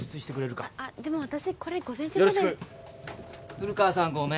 古川さんごめん。